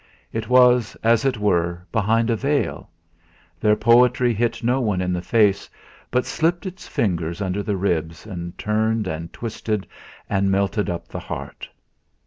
It was, as it were, behind a veil; their poetry hit no one in the face, but slipped its fingers under the ribs and turned and twisted, and melted up the heart.